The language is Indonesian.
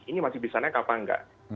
ini masih bisa naik apa enggak